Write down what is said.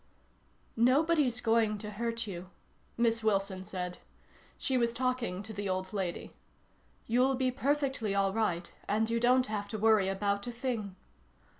"Nobody's going to hurt you," Miss Wilson said. She was talking to the old lady. "You'll be perfectly all right and you don't have to worry about a thing."